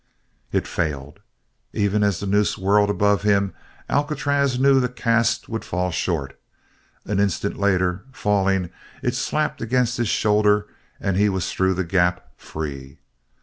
It failed. Even as the noose whirled above him Alcatraz knew the cast would fall short. An instant later, falling, it slapped against his shoulder and he was through the gap free!